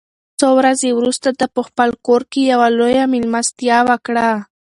څو ورځې وروسته ده په خپل کور کې یوه لویه مېلمستیا وکړه.